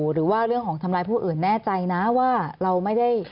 หรือว่าเรื่องของทำร้ายผู้อื่นแน่ใจนะว่าเราไม่ได้